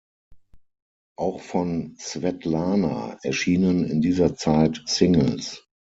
Auch von Swetlana erschienen in dieser Zeit Singles.